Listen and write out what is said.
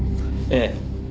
ええ。